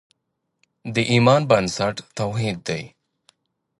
د ایمان بنسټ توحید دی.